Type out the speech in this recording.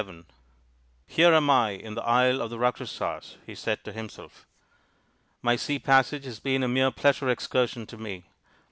VII " Here am I in' the Isle of the Rakshasas," he said to himself. " My sea passage has been a mere pleasure excursion to me.